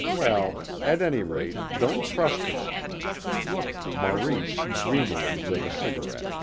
Well, at any rate, don't trust him." Maurice dreamily lit a cigarette.